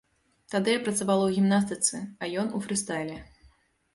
Тады я працавала ў гімнастыцы, а ён у фрыстайле.